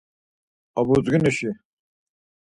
Obudzginuşi...